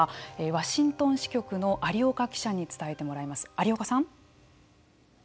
ワシントン支局の有岡記者に伝えてもらいます。